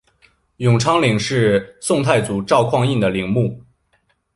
永昌陵是宋太祖赵匡胤的陵墓。